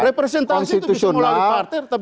representansi itu bisa melalui partai